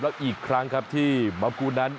แล้วอีกครั้งครับที่มัมพูนนั้น